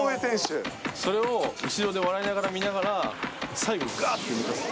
それを後ろで笑いながら見ながら、最後、がっと抜かす。